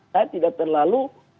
saya tidak terlalu